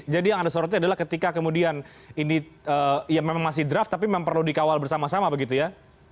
yang anda sorotnya adalah ketika kemudian ini ya memang masih draft tapi memang perlu dikawal bersama sama begitu ya